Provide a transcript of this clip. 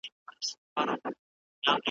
شېبه وروسته په توند باد کي ورکېده دي .